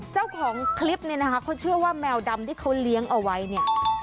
เจ้าของคลิปเนี่ยนะคะเขาเชื่อว่าแมวดำที่เขาเลี้ยงเอาไว้เนี่ย